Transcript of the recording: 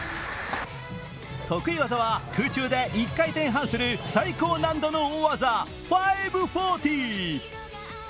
得意技は空中で１回転半する最高難度の大技５４０。